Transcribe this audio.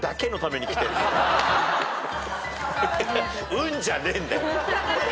「うん」じゃねえんだよ。